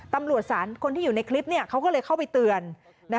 ตำรวจศาลคนที่อยู่ในคลิปเขาก็เลยเข้าไปเตือน